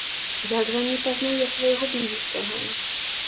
Як жа не пазнае свайго блізкага!